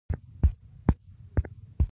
په داخلي جنګونو کې یې هیڅ مداخله ونه کړه.